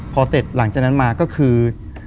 พอเสร็จหลังจากนั้นมาก็คือ